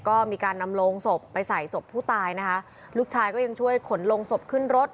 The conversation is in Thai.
ก็มีการนำโลงศพไปใส่ศพผู้ตายนะคะลูกชายก็ยังช่วยขนลงศพขึ้นรถ